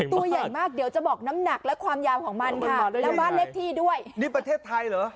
ตัวใหญ่มากเดี๋ยวจะบอกน้ำหนักและความยาวของมันค่ะแล้วบ้านเลขที่ด้วยนี่ประเทศไทยเหรอ